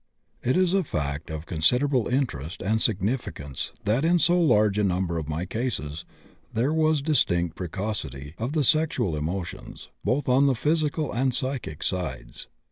It is a fact of considerable interest and significance that in so large a number of my cases there was distinct precocity of the sexual emotions, both on the physical and psychic sides.